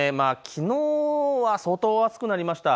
きのうは相当、暑くなりました。